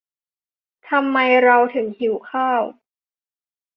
ทำไมเราถึงหิวข้าว